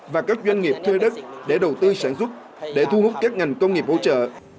và các doanh nghiệp thuê đất để đầu tư sản xuất để thu hút các ngành công nghiệp hỗ trợ